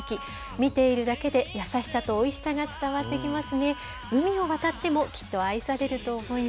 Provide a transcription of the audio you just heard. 見ているだけで優しさとおいしさが伝わってきます。